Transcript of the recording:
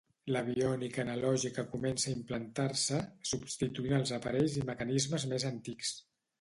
L'aviònica analògica comença a implantar-se, substituint els aparells i mecanismes més antics.